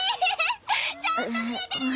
ちゃんと見えてるよ！